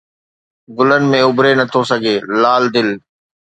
گلن ۾ اُڀري نٿو سگهي، لال دل